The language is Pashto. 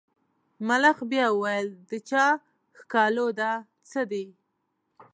ملخ بیا وویل د چا ښکالو ده څه دي.